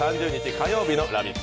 火曜日の「ラヴィット！」